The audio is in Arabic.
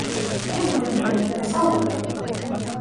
يبدو لي أنكَ صادق.